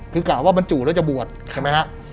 คือกะว่ามันจูแล้วจะบวชเห็นไหมฮะ